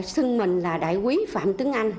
xưng mình là đại quý phạm tướng anh